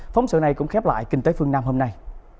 phóng sự này cũng khép lại kinh tế phương nam hôm nay